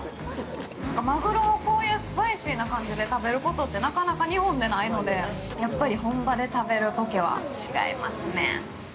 マグロをこういうスパイシーな感じで食べることってなかなか日本でないので、やっぱり本場で食べるポケは違いますねぇ。